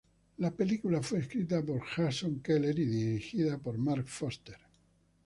La película fue escrita por Jason Keller y dirigida por Marc Forster.